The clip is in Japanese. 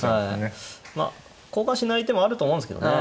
まあ交換しない手もあると思うんですけどね。